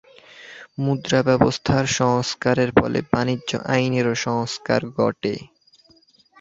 মুদ্রা ব্যবস্থার সংস্কারের ফলে বাণিজ্য আইনেরও সংস্কার ঘটে।